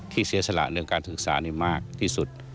ที่เสียสละในการศึกษามากที่สุด